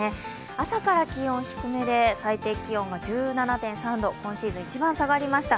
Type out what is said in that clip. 朝から気温、低めで最低気温が１７．３度、今シーズン一番下がりました。